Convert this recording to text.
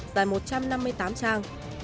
dài một trăm năm mươi tám trang